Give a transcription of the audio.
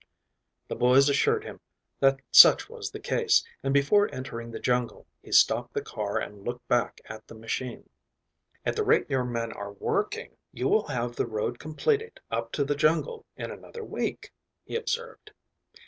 The boys assured him that such was the case, and before entering the jungle he stopped the car and looked back at the machine. "At the rate your men are working, you will have the road completed up to the jungle in another week," he observed.